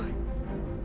raden kian santam